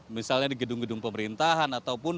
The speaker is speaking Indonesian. misalnya di gedung gedung pemerintahan ataupun